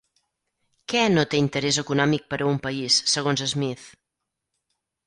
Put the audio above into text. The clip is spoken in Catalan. Què no té interès econòmic per a un país segons Smith?